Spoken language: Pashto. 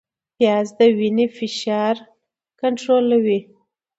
پیاز د وینې فشار کنټرولوي